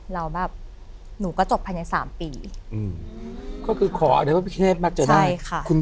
เราแบบหนูก็จบภายในสามปีก็คือก็ค่อนข้อเดี๋ยวพี่คาเนสมัยจะได้ใช่ค่ะ